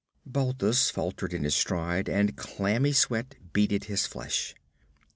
Balthus faltered in his stride, and clammy sweat beaded his flesh.